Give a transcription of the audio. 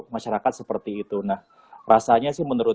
masyarakat seperti itu nah rasanya sih menurut